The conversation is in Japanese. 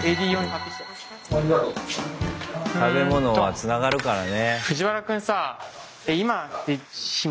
食べ物はつながるからね。